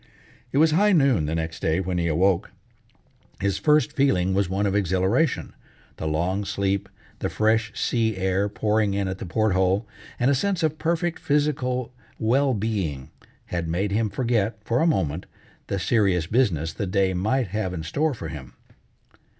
It was high noon the next day when he awoke. His first feeling was one of exhilaration: the long sleep, the fresh sea air pouring in at the port hole, and a sense of perfect physical well being had made him forget, for a moment, the serious business the day might have in store for him.